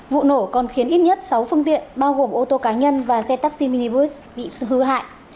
vụ nổ còn khiến ít nhất sáu phương tiện bao gồm ô tô cá nhân và xe taxi minibus bị hư hại